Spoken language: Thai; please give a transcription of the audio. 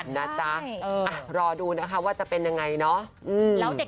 เรากดูนะคะว่าจะเป็นยังไงเนาะ